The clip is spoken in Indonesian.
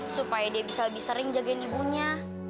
supaya dia bisa lebih sering jagain ibunya